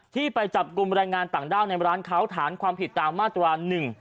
ที่ไปจับกลุ่มแรงงานต่างด้าวในร้านเขาฐานความผิดตามมาตรา๑๑